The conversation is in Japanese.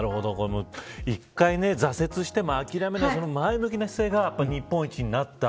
一回、挫折しても諦めずその前向きな姿勢が日本一になった。